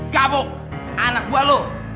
gabuk anak gue lo